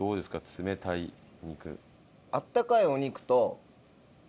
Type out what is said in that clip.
冷たい肉。